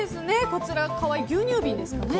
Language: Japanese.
こちら、可愛い牛乳瓶ですかね。